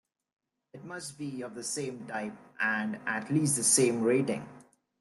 It must be of the same type, and at least the same rating.